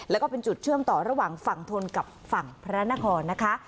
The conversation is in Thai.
แล้วก็เป็นจุดเชื่อมต่อระหว่างฝั่งทนกับฝั่งพระนครนะคะ